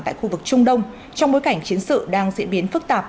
tại khu vực trung đông trong bối cảnh chiến sự đang diễn biến phức tạp